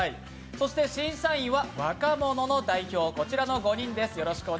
そして審査員は若者の代表こちらの５人です。